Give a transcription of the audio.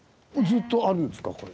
ずっとあるんですか？